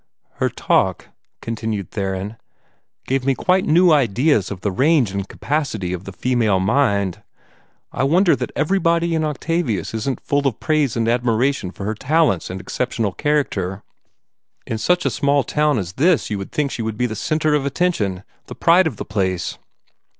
"Her talk," continued Theron, "gave me quite new ideas of the range and capacity of the female mind. I wonder that everybody in Octavius isn't full of praise and admiration for her talents and exceptional character. In such a small town as this, you would think she would be the centre of attention the pride of the place."